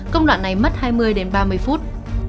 công đoạn này mất hai mươi ba mươi phút